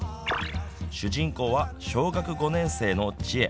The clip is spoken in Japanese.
主人公は、小学５年生のチエ。